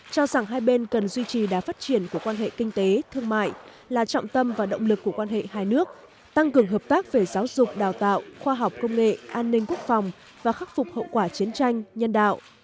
cho rằng hai bên cần duy trì đá phát triển của quan hệ kinh tế thương mại là trọng tâm và động lực của quan hệ hai nước tăng cường hợp tác về giáo dục đào tạo khoa học công nghệ an ninh quốc phòng và khắc phục hậu quả chiến tranh nhân đạo